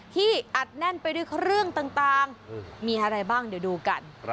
ที่อัดแน่นไปด้วยเครื่องต่างมีอะไรบ้างเดี๋ยวดูกัน